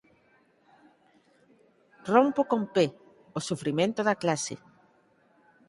Rompo con P. O sufrimento da clase.